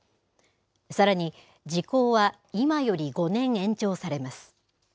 さらに時効は今より５年延長されます。